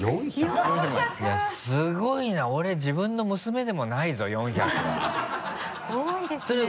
いやすごいな俺自分の娘でもないぞ４００は。多いですね。